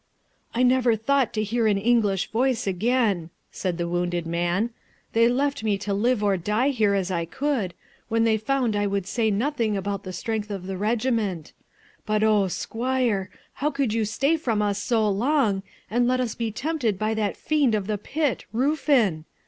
'I never thought to hear an English voice again,' said the wounded man;'they left me to live or die here as I could, when they found I would say nothing about the strength of the regiment. But, O squire! how could you stay from us so long, and let us be tempted by that fiend of the pit, Ruffin?